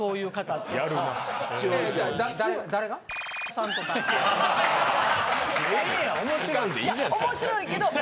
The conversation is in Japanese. いや面白いけど。